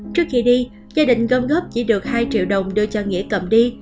trước khi đi gia đình gom góp chỉ được hai triệu đồng đưa cho nghĩa cầm đi